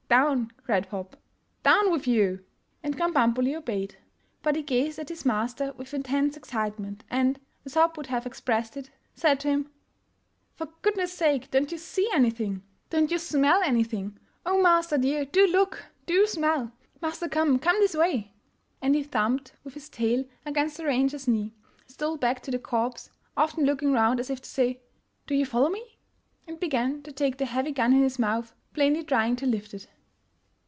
'' Down !'' cried Hopp, '' Down with you !'' And Kram bambuli obeyed; but he gazed at his master with intense excitement, and (as Hopp would have expressed it) said to him, " For goodness' sake, don't you see anything? 424 THE GERMAN CLASSICS Don't you smell anything1? Oh, master dear, do look — do smell ! Master, come — come this way !'' And he thumped with his tail against the ranger's knee, stole back to the corpse, often looking round as if to say, " Do you follow me? " and began to take the heavy gun in his mouth, plainly trying to lift it.